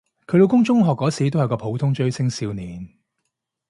佢老公中學嗰時都係個普通追星少年